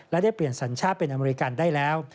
และได้เปลี่ยนสัญชาติเป็นอเมริกันได้แล้ว